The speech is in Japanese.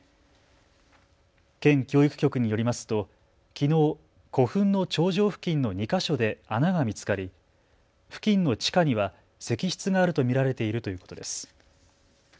県教育局によりますときのう、古墳の頂上付近の２か所で穴が見つかり付近の地下には石室があると見られているということです。